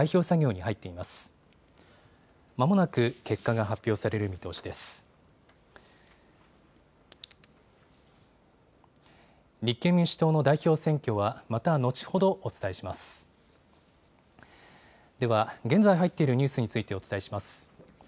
では、現在入っているニュースについてお伝えします。